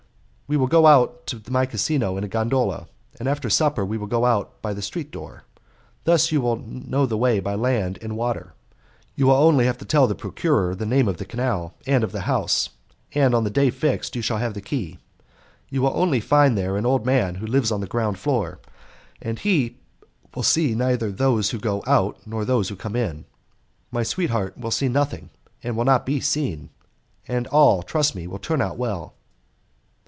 We will go to my casino in a gondola, and after supper we will go out by the street door; thus you will know the way by land and water. You will only have to tell the procurer the name of the canal and of the house, and on the day fixed you shall have the key. You will only find there an old man who lives on the ground floor, and he will see neither those who go out nor those who come in. My sweetheart will see nothing and will not be seen; and all, trust me, will turn out well."